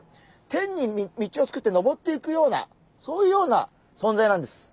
天に道を作ってのぼっていくようなそういうような存在なんです。